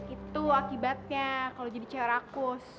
itu akibatnya kalau jadi cewe rakus